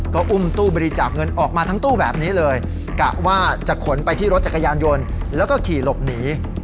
ก็อุ้มตู้บริจาคเงินออกมาทั้งตู้แบบนี้เลยกะว่าจะขนไปที่รถจักรยานยนต์แล้วก็ขี่หลบหนี